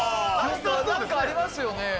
なんかありますよね。